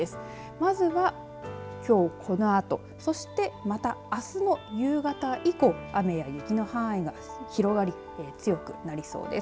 まずは、きょう、このあとそして、また、あすの夕方以降雨や雪の範囲が広がり強くなりそうです。